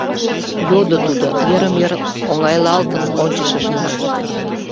— Йодо тудо, йырым-йыр оҥайлалтын ончышыжла.